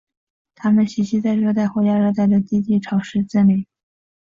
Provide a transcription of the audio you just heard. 它们栖息在热带或亚热带的低地潮湿森林。